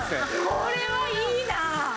これはいいな！